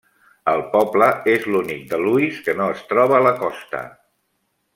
El poble és l'únic de Lewis que no es troba a la costa.